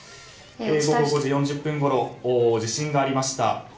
午後５時４０分ごろ地震がありました。